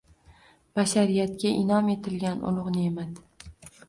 Bashariyatga inʼom etilgan ulugʻ neʼmat